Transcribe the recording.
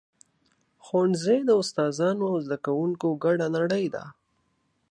ښوونځی د استادانو او زده کوونکو ګډه نړۍ ده.